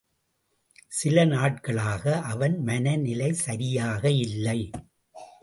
சில நாட்களாக அவன் மனநிலை சரியாக இல்லை.